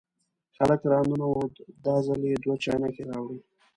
هلک را ننوت، دا ځل یې دوه چاینکې راوړې.